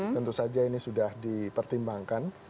tentu saja ini sudah dipertimbangkan